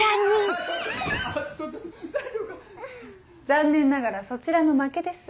残念ながらそちらの負けです。